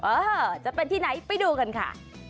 เออจะเป็นที่ไหนไปดูกันค่ะ